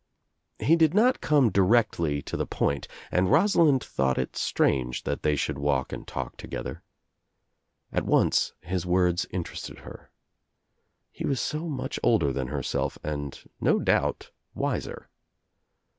He did not come directly to the point and Rosalind thought it strange that they should walk and talk to gether. At once his words interested her. He was so much older than herself and no doubt wiser.